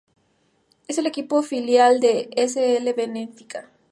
Es el equipo filial del S. L. Benfica.